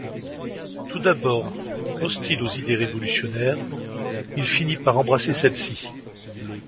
Tout d'abord hostile aux idées révolutionnaires, il finit par embrasser celles-ci.